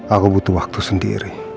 aku butuh waktu sendiri